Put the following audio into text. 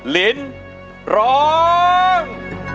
ลินร้อง